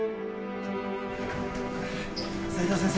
・斉藤先生